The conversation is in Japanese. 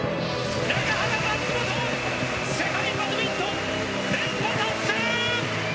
永原、松本世界バドミントン連覇達成！